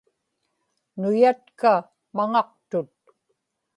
nuyatka maŋaqtut